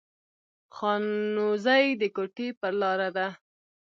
خانوزۍ د کوټي پر لار ده